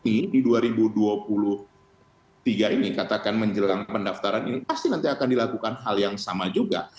nanti di dua ribu dua puluh tiga ini katakan menjelang pendaftaran ini pasti nanti akan dilakukan hal yang sama juga